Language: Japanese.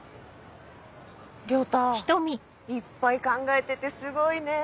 亮太いっぱい考えててすごいね。